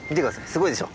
すごいでしょ。